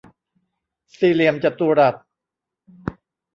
สี่เหลี่ยมจตุรัส